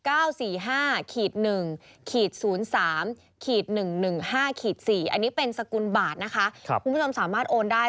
อันนี้เป็นสกุลบาทนะคะคุณผู้ชมสามารถโอนได้